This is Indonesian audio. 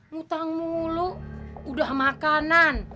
ngutang mulu udah makanan